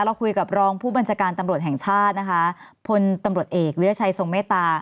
เราคุยกับรองผู้บัญชาการตำรวจแห่งชาตินะคะพลตำรวจเอกวิรัชัยทรงเมตตา